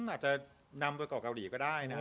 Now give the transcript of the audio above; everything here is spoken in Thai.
อาจจะนำไปก่อเกาหลีก็ได้นะ